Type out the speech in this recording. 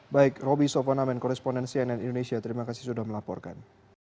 baik roby sofonamen korrespondensi nn indonesia terima kasih sudah melaporkan